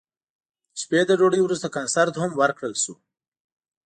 د شپې له ډوډۍ وروسته کنسرت هم ورکړل شو.